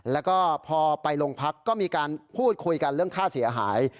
แล้วก็พอไปโรงพักก็มีการพูดคุยกันเรื่องค่าเสียหาย